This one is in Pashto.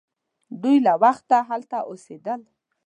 دوی له وخته هلته اوسیدل.